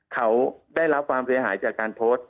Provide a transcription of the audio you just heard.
เขาได้รับความเสียหายจากการโพสต์